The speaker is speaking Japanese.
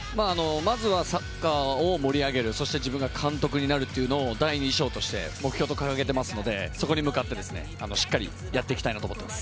まずはサッカーを盛り上げる、そして自分が監督になるというのを第２章として目標と掲げていますのでそこに向かってしっかりやっていきたいなと思っています。